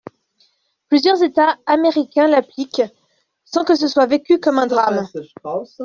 Plusieurs États américains l’appliquent, sans que ce soit vécu comme un drame.